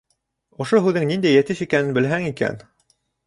Ошо һүҙең ниндәй йәтеш икәнен белһәң икән!